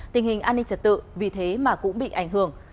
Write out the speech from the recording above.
tình hình an ninh trật tự vì thế mà cũng bị ảnh hưởng